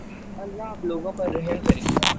اللہ آپ لوگوں پر رحم کرے